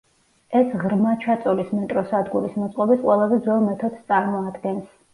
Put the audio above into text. ეს ღრმა ჩაწოლის მეტროსადგურის მოწყობის ყველაზე ძველ მეთოდს წარმოადგენს.